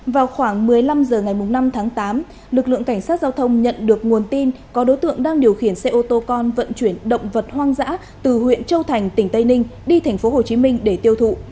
vào khoảng một mươi năm h ngày năm tháng tám lực lượng cảnh sát giao thông nhận được nguồn tin có đối tượng đang điều khiển xe ô tô con vận chuyển động vật hoang dã từ huyện châu thành tỉnh tây ninh đi tp hcm để tiêu thụ